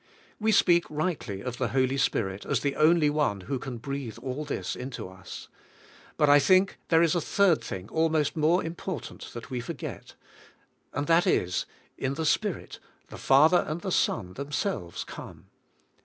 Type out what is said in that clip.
We speak rightly of the Hol}^ Spirit as the only one who can breathe all this into us. But I think there is a third thing al most more important, that we forget, and that is: in the Spirit, the Father and the Son themselves come.